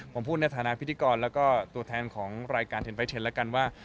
ผมพูดในฐานะพิธีกรแล้วก็ตัวแทนของรายการเทนไปเทนแล้วกันว่า